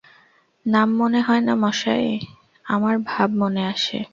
নাম মনে হয় না মশায়, আমার ভাব মনে আসে।